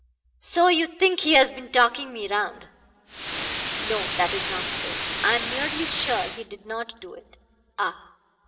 "So you think he has been talking me round! No, that is not so. I am merely sure he did not do it. Ah!